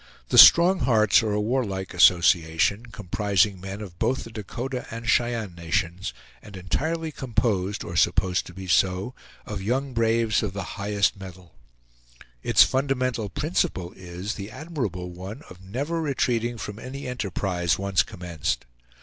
The Strong Hearts are a warlike association, comprising men of both the Dakota and Cheyenne nations, and entirely composed, or supposed to be so, of young braves of the highest mettle. Its fundamental principle is the admirable one of never retreating from any enterprise once commenced.